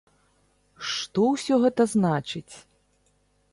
Што ўсё гэта значыць?